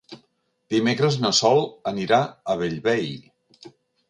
Dimecres na Sol anirà a Bellvei.